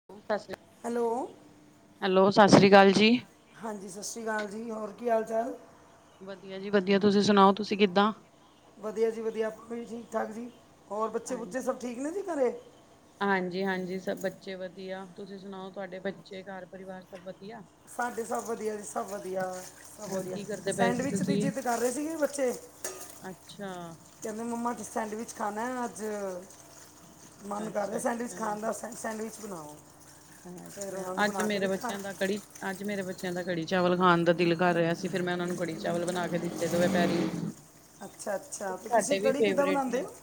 [unintelligible] Hello. Hello ਸਤਿ ਸਾਸਰੀ ਕਾਲ ਜੀ। ਹਾਂਜੀ ਸਾਸਰੀ ਕਾਲ ਜੀ, ਹੋਰ ਕੀ ਹਾਲ ਚਾਲ। ਵਧੀਆ ਜੀ ਵਧੀਆ ਤੁਸੀਂ ਸੁਣਾਓ ਤੁਸੀਂ ਕਿੱਦਾਂ। ਵਧੀਆ ਜੀ ਵਧੀਆ ਆਪ ਵੀ ਠੀਕ ਠਾਕ ਜੀ ਹੋਰ ਬੱਚੇ ਹਾਂ ਬੁੱਚੇ ਸਭ ਠੀਕ ਨੇ ਜੀ ਘਰੇ। ਹਾਂਜੀ ਹਾਂਜੀ ਸਭ ਬੱਚੇ ਵਧੀਆ ਤੁਸੀਂ ਸੁਣਾਓ ਤੁਹਾਡੇ ਬੱਚੇ ਘਰ ਪਰਿਵਾਰ ਸਭ ਵਧੀਆ। ਸਾਡੇ ਸਭ ਵਧੀਆ ਜੀ ਸਭ ਵਧੀਆ ਸਭ ਹੋਰ ਵਧੀਆ ਕੀ ਕਰਦੇ ਪਏ ਸੀ ਸੈਂਡਵਿਚ ਦੀ ਤੁਸੀਂ ਜਿੱਦ ਕਰ ਰਹੇ ਸੀਗੇ ਬੱਚੇ। ਅੱਛਾ ਕਹਿੰਦੇ ਮੰਮਾ ਅੱਜ ਸੈਂਡਵਿਚ ਖਾਣਾ ਅੱਜ ਮਨ ਕਰ ਅੱਛਾ ਰਿਆ ਸੈਂਡਵਿਚ ਖਾਣ ਦਾ ਅੱਛਾ ਸਾ ਸੈਂਡਵਿੱਚ ਬਣਾਓ। ਫਿਰ ਅੱਛਾ ਉਹਨਾਂ ਨੂੰ ਅੱਜ ਬਣਾ ਕੇ ਮੇਰੇ ਦਿੱਤਾ ਬੱਚਿਆਂ ਦਾ ਕੜੀ ਅੱਜ ਮੇਰੇ ਬੱਚਿਆਂ ਦਾ ਕੜੀ ਚਾਵਲ ਖਾਣ ਦਾ ਦਿਲ ਕਰ ਰਿਹਾ ਸੀ ਫਿਰ ਮੈਂ ਉਹਨਾਂ ਨੂੰ ਕੜੀ ਚਾਵਲ ਬਣਾ ਕੇ ਦਿੱਤੇ ਦੋਵੇ ਪੈਰੀ। ਅੱਛਾ ਅੱਛਾ ਤੇ ਤੁਸੀਂ ਕੜੀ ਕਿੱਦਾਂ ਫੇਵਰੇਟ ਬਣਾਉਂਦੇ ਨੇ ਓ।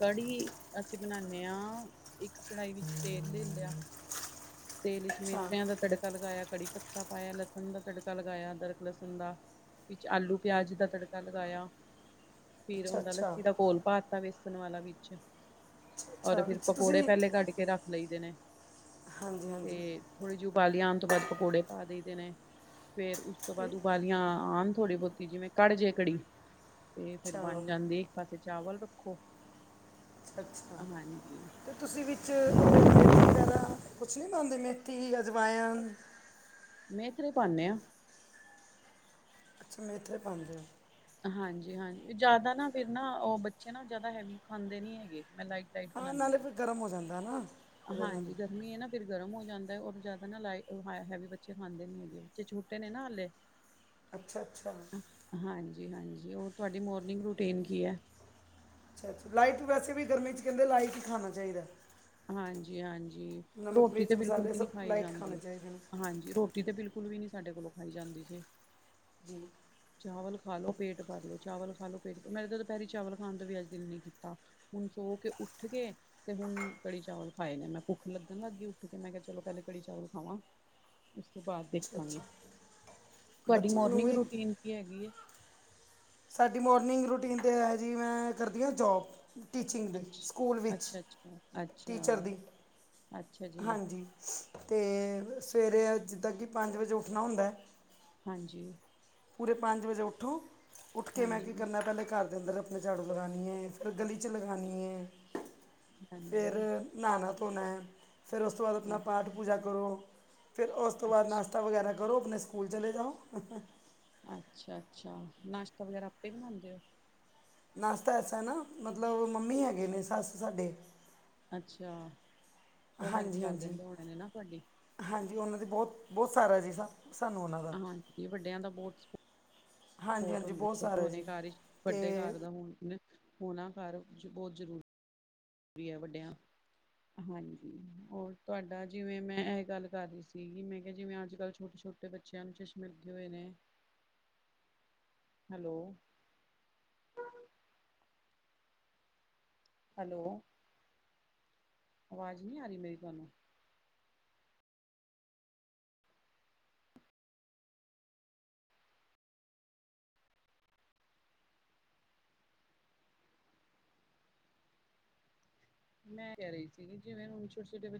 ਕੜੀ ਅਸੀਂ ਬਣਾਦੇ ਹਾਂ ਇੱਕ ਕੜਾਹੀ ਵਿੱਚ ਤੇਲ। ਤੇਲ ਵਿੱਚ ਅੱਛਾ ਮੇਥਰਿਆ ਦਾ ਤੜਕਾ ਤੜਕਾ ਲਗਾਇਆ ਕੜੀ ਪੱਤਾ ਪਾਇਆ ਲਸਣ ਦਾ ਤੜਕਾ ਲਗਾਇਆ ਅਦਰਕ ਲਸਣ ਦਾ। ਵਿੱਚ ਆਲੂ ਪਿਆਜ ਦਾ ਤੜਕਾ ਲਗਾਇਆ। ਫਿਰ ਅੱਛਾ ਉਹਨਾ ਅੱਛਾ ਲੱਸੀ ਦਾ ਘੋਲ ਪਾਤਾ ਵੇਸਣ ਵਾਲਾ ਵਿੱਚ। ਅੱਛਾ, ਔਰ ਅੱਛਾ ਫਿਰ ਵਿੱਚ ਪਕੌੜੇ ਤੁਸੀਂ ਪਹਿਲੇ ਕੱਢ ਕੇ ਰੱਖ ਲਈਦੇ ਨੇ। ਹਾਂਜੀ ਹਾਂਜੀ ਤੇ ਥੋੜ੍ਹੀ ਜਿਹੀ ਉਬਾਲੀ ਆਉਣ ਤੋਂ ਬਾਅਦ ਪਕੌੜੇ ਪਾ ਦਈ ਦੇ ਨੇ ਫੇਰ ਉਸ ਤੋਂ ਤੇ ਬਾਅਦ ਉਬਾਲੀ ਆਣ ਥੋੜੀ ਬਹੁਤੀ ਜਿਵੇਂ ਕੜ ਜੇ ਕੜੀ ਤੇ ਫੇਰ ਅੱਛਾ ਬਣ ਅੱਛਾ ਜਾਂਦੀ। ਇਕ ਪਾਸੇ ਚਾਵਲ ਰੱਖੋ। ਅੱਛਾ ਹਾਂਜੀ ਤੇ ਤੁਸੀਂ ਵਿੱਚ ਹੋਰ [unintelligible] ਤੁਸੀਂ ਨਹੀਂ ਪਾਉਂਦੇ ਮੇਥੀ ਜਾਂ ਅਜਵਾਇਨ। ਮੇਥਰੇ ਪਾਣੇ ਆ। ਅੱਛਾ ਮੇਥਰੇ ਪਾਉਦੇ ਓ ਹਾਂਜੀ ਹਾਂਜੀ ਜਿਆਦਾ ਨਾ ਫਿਰ ਨਾ ਉਹ ਬੱਚੇ ਨਾ ਜਿਆਦਾ ਹੈਵੀ ਖਾਂਦੇ ਨੀ ਹੈਗੇ ਮੈਂ ਲ ਹਾਂ ਨਾਲੇ ਫਿਰ ਗਰਮ ਹੋ ਜਾਂਦਾ ਨਾ। ਉਹਦੇ ਨਾਲ ਹਾਂਜੀ ਗਰਮ ਗਰਮੀ ਨਾ ਫਿਰ ਗਰਮ ਹੋ ਜਾਂਦਾ ਜਿਆਦਾ ਨਾ ਉਹ ਲਾਇਟ ਹੈਵੀ ਬੱਚੇ ਖਾਂਦੇ ਨੀ ਹੈਗੇ ਬੱਚੇ ਛੋਟੇ ਨੇ ਨਾ ਹਾਲੇ। ਹ [unintelligible] ਅੱਛਾ ਅੱਛਾ ਹਾਂਜੀ ਹਾਂਜੀ ਉਹ ਤੁਹਾਡੀ ਮੋਰਨਿੰਗ ਰੋਟੀਨ ਕੀ ਐ ਅੱਛਾ ਅੱਛਾ ਲਾਈਟ ਵੈਸੇ ਵੀ ਗਰਮੀ ਚ ਕਹਿੰਦੇ ਲਾਈਟ ਹੀ ਖਾਣਾ ਚਾਹੀਦਾ। ਹਾਂਜੀ ਹਾਂਜੀ ਨਮਕ ਰੋਟੀ ਤੇ ਮਿਰਚ ਬਿਲਕੁਲ ਮਸਾਲੇ ਵੀ ਨਹੀਂ ਸਭ ਖਾਈ ਲਾਈਟ ਖਾਣੇ ਜਾਂਦੀ ਚਾਹੀਦੇ ਨੇ ਹਾਂਜੀ ਰੋ ਰੋਟੀ ਤੇ ਬਿਲਕੁਲ ਵੀ ਨੀ ਸਾਡੇ ਕੋਲੋਂ ਖਾਈ ਜਾਂਦੀ ਜੀ। ਜੀ [unintelligible] ਚਾਵਲ ਖਾ ਲੋ ਪੇਟ ਭਰ ਲੋ ਚਾਵਲ ਖਾ ਲੋ ਪੇਟ ਮੇਰਾ ਤਾਂ ਦੁਪਹਿਰੇ ਚਾਵਲ ਖਾਣ ਦਾ ਵੀ ਅੱਜ ਦਿਲ ਨੀ ਕੀਤਾ। ਹੁਣ ਸੋ ਕੇ ਉੱਠ ਕੇ ਤੇ ਹੁਣ ਕੜੀ ਚਾਵਲ ਖਾਏ ਨੇ ਮੈਂ ਭੁੱਖ ਲੱਗਣ ਲੱਗ ਗੀ ਉੱਠ ਕੇ ਮੈਂ ਕਿਹਾ ਚਲੋ ਪਹਿਲੇ ਕੜੀ ਚਾਲ ਖਾਵਾਂ। ਉਸ ਤੋਂ ਬਾਅਦ ਅੱਛਾ ਦੇਖਾਂਗੇ ਅੱਛਾ ਤੁਹਾਡੀ ਬੱਚਿਆਂ ਨੂੰ ਮੋਰਨਿੰਗ ਵੀ ਰੂਟੀਨ ਕੀ ਹੈਗੀ ਏ? ਸਾਡੀ ਮੋਰਨਿੰਗ ਰੂਟੀਨ ਤੇ ਹੈ ਜੀ ਮੈਂ ਕਰਦੀ ਆ ਜੋਬ। ਟੀਚਿੰਗ ਦੀ ਅੱਛ ਸਕੂਲ ਵਿੱਚ ਅੱਛਾ ਅੱਛਾ ਅੱਛਾ ਟੀਚਰ ਦੀ ਅੱਛਾ ਜੀ ਹਾਂਜੀ। ਤੇ ਸਵੇਰੇ ਆ ਜਿੱਦਾਂ ਕਿ ਪੰਜ ਵਜੇ ਉੱਠਣਾ ਹੁੰਦਾ। ਹਾਂਜੀ ਪੂਰੇ ਪੰਜ ਵਜੇ ਉੱਠੋ ਉੱਠ ਕੇ ਮੈਂ ਕੀ ਹਾਂਜੀ ਕਰਨਾ ਪਹਿਲੇ ਘਰ ਦੇ ਅੰਦਰ ਝਾੜੂ ਲਗਾਨੀ ਆ ਫਿਰ ਗਲੀ 'ਚ ਲਗਾਨੀ ਆ ਹਾਂਜੀ ਫਿਰ ਨਹਾਉਣਾ ਧੋਣਾ ਫਿਰ ਉਸ ਤੋਂ ਬਾਅਦ ਆਪਣਾ ਪਾਠ ਪੂਜਾ ਕਰੋ। ਫਿਰ ਉਸ ਤੋਂ ਬਾਅਦ ਅੱਛਾ ਨਾਸ਼ਤਾ ਵਗੈਰਾ ਕਰੋ ਆਪਣੇ ਸਕੂਲ ਚਲੇ ਜਾਓ। ਅੱਛਾ- ਅੱਛਾ ਨਾਸ਼ਤਾ ਵਗੈਰਾ ਆਪੇ ਬਣਾਉਦੇ ਹੋ? ਨਾਸ਼ਤਾ ਐਸਾ ਹੈ ਨਾ ਮਤਲਬ ਮੰਮੀ ਹੈਗੇ ਨੇ ਸੱਸ ਸਾਡੇ। ਅੱਛਾ। ਉਹ ਹੈਲਪ ਕਰ ਹਾਂਜੀ-ਹਾਂਜੀ ਦਿੰਦੇ ਹੋਣੇ ਨੇ ਨਾ ਤੁਹਾਡੀ ਹਾਂਜੀ ਉਹਨਾਂ ਦੀ ਬੋਤ- ਬੋਤ ਸਾਰਾ ਜੀ ਸਨ- ਹਾਂਜੀ ਵੱਡਿਆਂ ਦਾ ਬੋਤ ਸ- ਹਾਂਜੀ ਸਪੋਰਟ ਹਾਂਜੀ ਹੁੰਦਾ ਬਹੁਤ ਏ, ਸਾਰਾ ਜੀ ਘਰ ਵਿੱਚ ਵੱਡੇ ਤੇ ਘਰ ਦਾ ਹੁਣ। ਹੋਣਾ ਘਰ ਬੋਤ ਜ਼ਰੂਰੀ, ਜ਼ਰੂਰੀ ਹੈ ਵੱਡਿਆਂ। ਹਾਂਜੀ ਹੋਰ ਤੁਹਾਡਾ ਜਿਵੇਂ ਮੈਂ ਇਹ ਗੱਲ ਕਰ ਰਹੀ ਸੀਗੀ ਮੈਂ ਕਿਹਾ ਜਿਵੇਂ ਅੱਜ ਕੱਲ ਛੋਟੇ ਛੋ- ਟੇ ਬੱਚਿਆਂ ਨੂੰ ਚਸ਼ਮੇ ਲਗੇ ਹੋਏ ਨੇ। ਹੈਲੋ, ਹੈਲੋ ਆਵਾਜ ਨਹੀ ਆ ਰਹੀ ਮੇਰੀ ਤੁਹਾਨੂੰ? ਮੈਂ ਕਹਿ ਰਹੀ ਸੀਗੀ ਜਿਵੇਂ ਹੁਣ ਛੋਟੇ- ਛੋਟੇ ਬੱ-